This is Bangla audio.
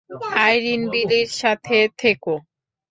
আইরিন, বিলির সাথে থেকো!